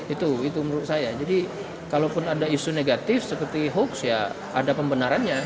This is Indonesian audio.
itu itu menurut saya jadi kalaupun ada isu negatif seperti hoax ya ada pembenarannya